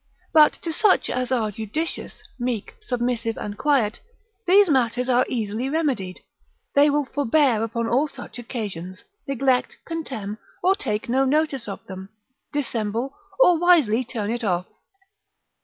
But to such as are judicious, meek, submissive, and quiet, these matters are easily remedied: they will forbear upon all such occasions, neglect, contemn, or take no notice of them, dissemble, or wisely turn it off.